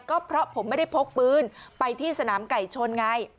ก็เพราะผมไม่ได้พกปืนไปที่สนามไก่ชนไง